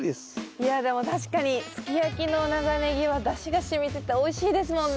いやでも確かにすき焼きの長ネギはだしがしみてておいしいですもんね。